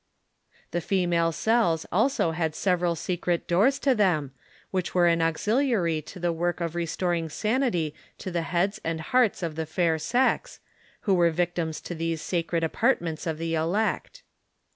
The female cells also had several secret doors to them, which were an auxiliary to the work of restoring sanity to the heads and hearts of the fair sex, who were victims to these sacred apartments of the elect.